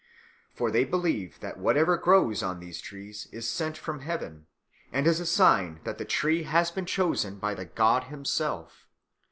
For they believe that whatever grows on these trees is sent from heaven, and is a sign that the tree has been chosen by the god himself.